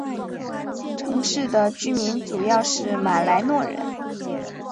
城市的居民主要是马来诺人。